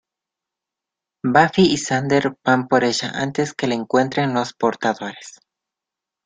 Buffy y Xander van por ella antes que la encuentren los Portadores.